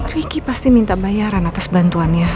ricky pasti minta bayaran atas bantuannya